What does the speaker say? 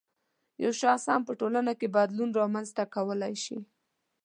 یو شخص هم په ټولنه کې بدلون رامنځته کولای شي